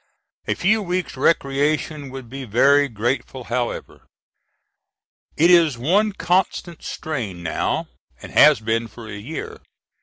A few weeks' recreation would be very grateful however. It is one constant strain now and has been for a year.